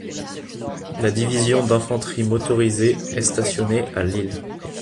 La Division d'Infanterie Motorisée est stationnée à Lille.